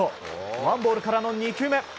ワンボールからの２球目。